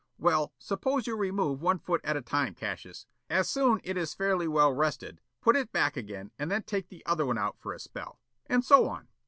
"Well, suppose you remove one foot at a time, Cassius. As soon it is fairly well rested, put it back again and then take the other one out for a spell, and so on.